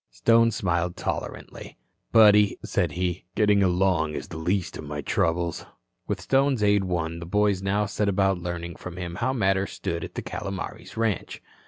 Stone smiled tolerantly. "Buddy," said he, "getting along is the least of my troubles." With Stone's aid won, the boys now set about learning from him how matters stood at the Calomares ranch.